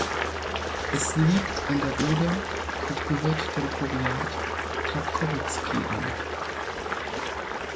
Es liegt an der Oder und gehört dem Powiat Krapkowicki an.